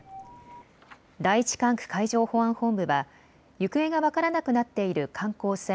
第１管区海上保安本部は行方が分からなくなっている観光船